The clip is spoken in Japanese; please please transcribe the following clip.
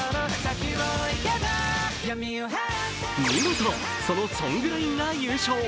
見事、そのソングラインが優勝。